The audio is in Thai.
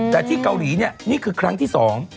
แต่ที่เกาหลีเนี่ยนี่คือครั้งที่สอง